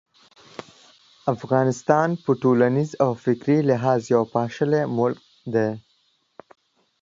افغانستان په ټولنیز او فکري لحاظ یو پاشلی ملک دی.